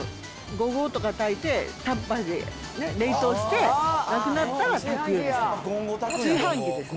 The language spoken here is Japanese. ５合とか炊いて、タッパーで冷凍して、なくなったら炊くようにしてます。